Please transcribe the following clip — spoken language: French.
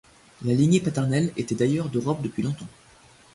La lignée paternelle était d'ailleurs de robe depuis longtemps.